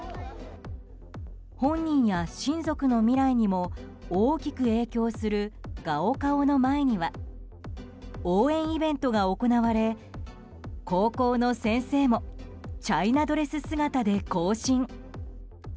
本人や親族の未来にも大きく影響するガオカオの前には応援イベントが行われ高校の先生もチャイナドレス姿で行進。